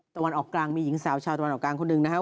ตะวันออกกลางมีหญิงสาวชาวตะวันออกกลางคนหนึ่งนะครับ